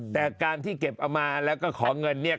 แต่การที่เก็บเอามาแหละก็ขอเงิน